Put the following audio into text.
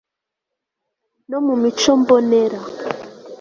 no mu mico mbonera